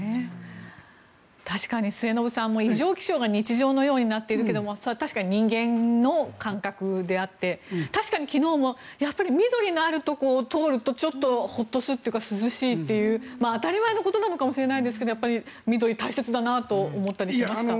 確かに末延さん異常気象が日常のようになっているけども確かに人間の感覚であって確かに昨日もやっぱり緑のあるところを通るとホッとするというか涼しいという当たり前のことなのかもしれないですがやっぱり緑が大切だなと思ったりもしました。